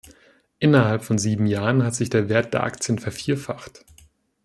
Innerhalb von sieben Jahren hat sich der Wert der Aktien vervierfacht.